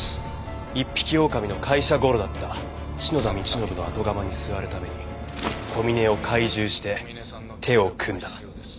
一匹狼の会社ゴロだった篠田道信の後釜に座るために小嶺を懐柔して手を組んだ。